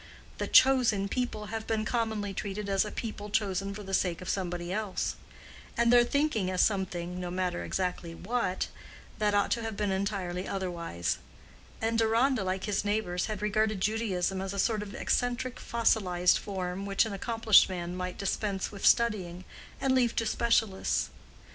The Chosen People have been commonly treated as a people chosen for the sake of somebody else; and their thinking as something (no matter exactly what) that ought to have been entirely otherwise; and Deronda, like his neighbors, had regarded Judaism as a sort of eccentric fossilized form which an accomplished man might dispense with studying, and leave to specialists.